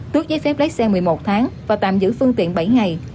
tước giấy phép lái xe một mươi một tháng và tạm giữ phương tiện bảy ngày